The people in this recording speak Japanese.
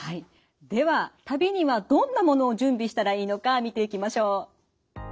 では旅にはどんなものを準備したらいいのか見ていきましょう。